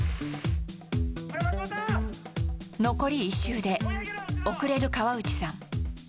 残り１周で遅れる河内さん。